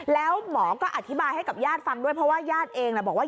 แล้วหมอก็อธิบายให้กับญาติฟังด้วยเพราะว่าญาติเองบอกว่า